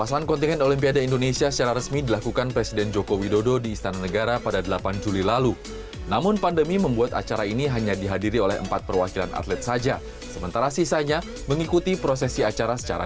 jangan lupa like share dan subscribe channel ini untuk dapat info terbaru